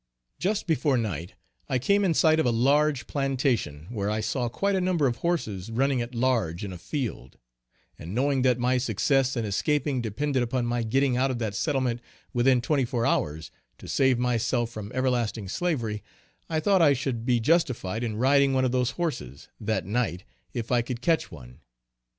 Just before night I came in sight of a large plantation, where I saw quite a number of horses running at large in a field, and knowing that my success in escaping depended upon my getting out of that settlement within twenty four hours, to save myself from everlasting slavery, I thought I should be justified in riding one of those horses, that night, if I could catch one.